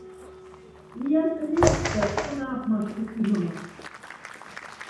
Лияста-мезьста сон аф машты симома.